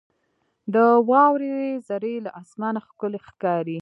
• د واورې ذرې له اسمانه ښکلي ښکاري.